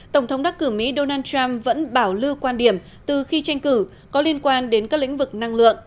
tổng thống đắc cử mỹ donald trump vẫn bảo lưu quan điểm từ khi tranh cử có liên quan đến các lĩnh vực năng lượng